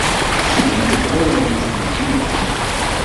Simplemente chegou ao noso coñecemento.